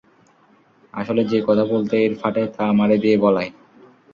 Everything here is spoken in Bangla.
আসলে যে কথা বলতে এর ফাটে, তা আমারে দিয়ে বলায়।